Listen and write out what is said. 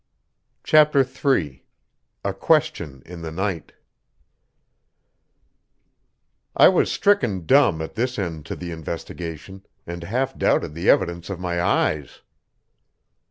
CHAPTER III A QUESTION IN THE NIGHT I was stricken dumb at this end to the investigation, and half doubted the evidence of my eyes.